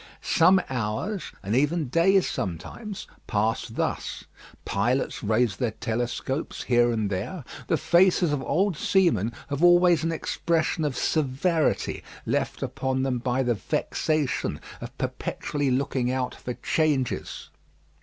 Some hours, and even days sometimes, pass thus. Pilots raise their telescopes here and there. The faces of old seamen have always an expression of severity left upon them by the vexation of perpetually looking out for changes.